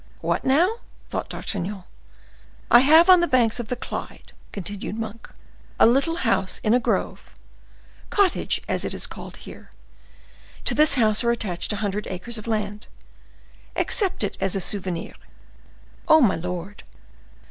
"What now?" thought D'Artagnan. "I have on the banks of the Clyde," continued Monk, "a little house in a grove, cottage as it is called here. To this house are attached a hundred acres of land. Accept it as a souvenir." "Oh, my lord!